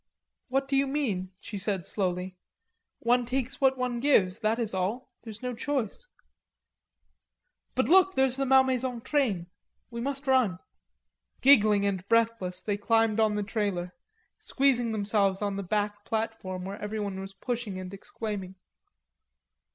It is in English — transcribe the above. "What do you mean?" she said slowly. "One takes what life gives, that is all, there's no choice.... But look, there's the Malmaison train.... We must run." Giggling and breathless they climbed on the trailer, squeezing themselves on the back platform where everyone was pushing and exclaiming.